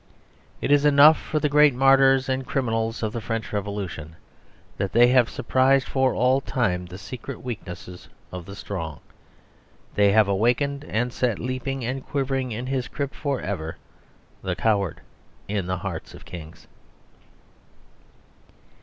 It is enough for the great martyrs and criminals of the French revolution, that they have surprised for all time the secret weakness of the strong. They have awakened and set leaping and quivering in his crypt for ever the coward in the hearts of kings.